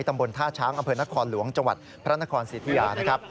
ตำบลท่าช้างอำเภอนครหลวงจพระนครสิทยา